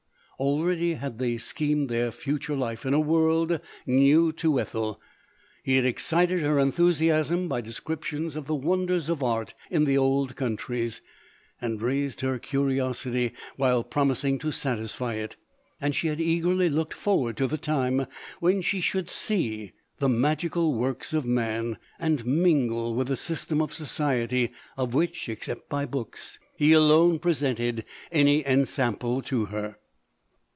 Already had they schemed their future life in a world new to Ethel : he had excited her enthusiasm by de scriptions of the wonders of art in the old coun tries, and raised her curiosity while promis ing to satisfy it ; and she had eagerly looked forward to the time when she should see the magical works of man, and mingle with a sys tem of society, of which, except by books, he alone presented any ensample to her.